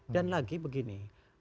dan lagi begini